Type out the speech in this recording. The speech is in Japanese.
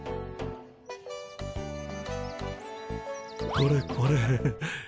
これこれ。